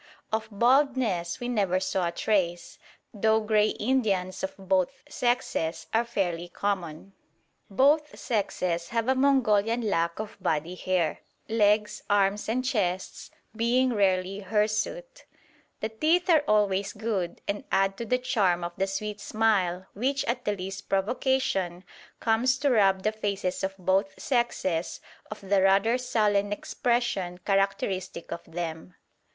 Of baldness we never saw a trace, though grey Indians of both sexes are fairly common. Both sexes have a Mongolian lack of body hair; legs, arms and chests being rarely hirsute. The teeth are always good, and add to the charm of the sweet smile which at the least provocation comes to rob the faces of both sexes of the rather sullen expression characteristic of them.